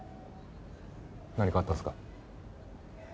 何かあったんですか？